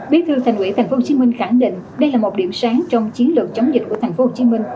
bí thư thành ủy tp hcm khẳng định đây là một điểm sáng trong chiến lược chống dịch của tp hcm